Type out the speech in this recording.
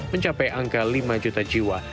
mencapai angka lima juta jiwa